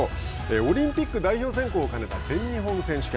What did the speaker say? オリンピック代表選考を兼ねた全日本選手権。